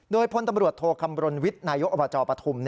โดยพลตำรวจโทคำรณวิทย์นายกอบจปฐุม